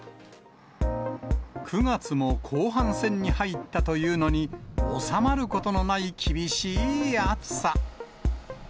９月も後半戦に入ったというのに、収まることのない厳しい暑さ。